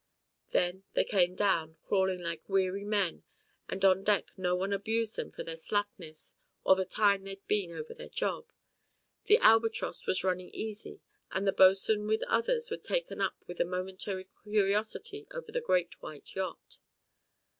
Then they came down, crawling like weary men, and on deck no one abused them for their slackness or the time they'd been over their job. The Albatross was running easy and the Bo'sw'n with others was taken up with a momentary curiosity over the great white yacht.